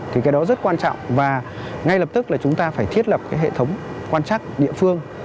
thì cái đó rất quan trọng và ngay lập tức là chúng ta phải thiết lập cái hệ thống quan trắc địa phương